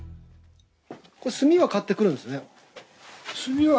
これ炭は買ってくるんですね。